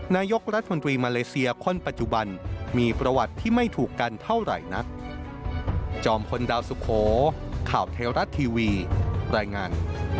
นายกรัฐมนตรีมาเลเซียคนปัจจุบันมีประวัติที่ไม่ถูกกันเท่าไหร่นัก